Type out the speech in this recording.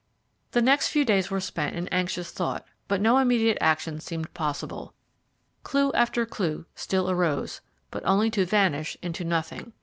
The next few days were spent in anxious thought, but no immediate action seemed possible. Clue after clue still arose, but only to vanish into nothing.